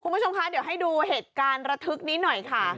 คุณผู้ชมคะเดี๋ยวให้ดูเหตุการณ์ระทึกนี้หน่อยค่ะ